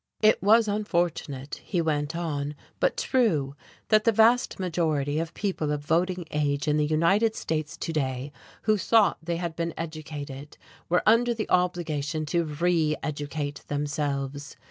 It was unfortunate, he went on, but true, that the vast majority of people of voting age in the United States to day who thought they had been educated were under the obligation to reeducate themselves.